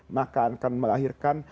maka akan mengakhirkan